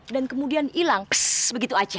dan kemudian hilang psst begitu saja